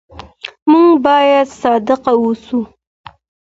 موږ بايد صادق اوسو.